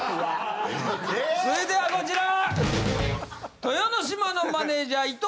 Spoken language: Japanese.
続いてはこちら！